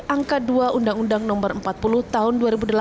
angka dua undang undang no empat puluh tahun dua ribu delapan